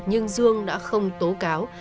nhưng dương đã không tố cáo